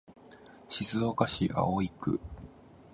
静岡市葵区